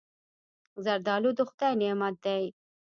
زردالو د خدای نعمت دی.